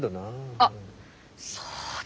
あっそうだ。